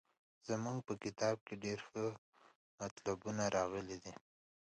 زموږ په کتاب کې ډېر ښه مطلبونه راغلي دي.